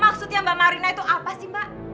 maksudnya mbak marina itu apa sih mbak